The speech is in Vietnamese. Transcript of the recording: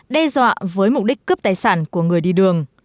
đe dọa với mục đích cướp tài sản của người đi đường